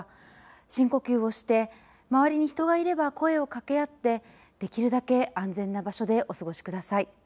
深呼吸をして周りに人がいれば声をかけ合ってできるだけ安全な場所でお過ごしください。